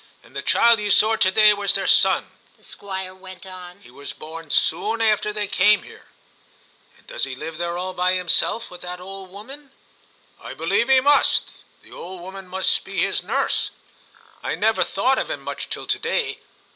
* And the child you saw to day was their son/ the Squire went on ;* he was born soon after they came here/ 'And does he live there all by himself, with that old woman ?*' I believe he must. The old woman must be his nurse ; I never thought of him much till to day.